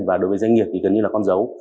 và đối với doanh nghiệp thì gần như là con dấu